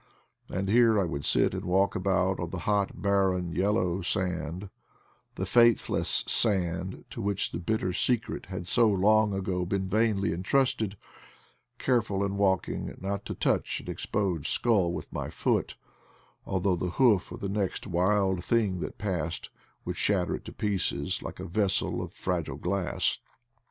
And here I would sit and walk about on the hot barren yellow sand — the faithless sand to which the bitter secret had so long ago been vainly entrusted ; careful in walk ing not to touch an exposed skull with my foot, al though the hoof of the next wild thing that passed would shatter it to pieces like a vessel of fragile glass.